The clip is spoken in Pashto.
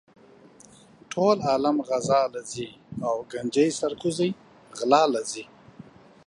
ټول عالم غزا لہ ځی او ګنجي سر کوزے غلا لہ ځی